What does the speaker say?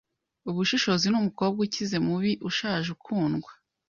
Ubushishozi numukobwa ukize mubi ushaje ukundwa